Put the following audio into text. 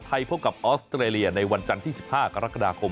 พบกับออสเตรเลียในวันจันทร์ที่๑๕กรกฎาคม